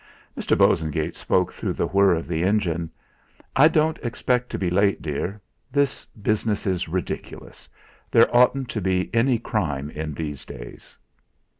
Mr. Bosengate spoke through the whirr of the engine: "I don't expect to be late, dear. This business is ridiculous. There oughtn't to be any crime in these days."